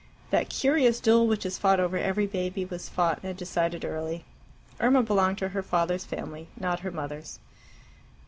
That curious duel which is fought over every baby was fought and decided early. Irma belonged to her father's family, not to her mother's.